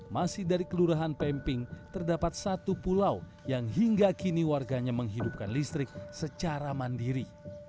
masih dari kelurahan pemping terdapat satu pulau yang hingga kini warganya menghidupkan listrik secara mandiri